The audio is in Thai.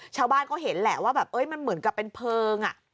ชาวบ้านก็เห็นแหละว่าแบบมันเหมือนกับเป็นเพลิง